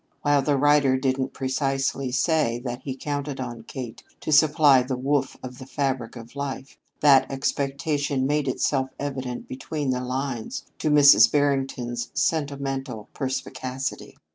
While the writer didn't precisely say that he counted on Kate to supply the woof of the fabric of life, that expectation made itself evident between the lines to Mrs. Barrington's sentimental perspicacity.